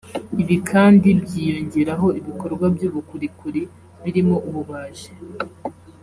Ibi kandi byiyongeraho ibikorwa by’ubukorikori birimo ububaji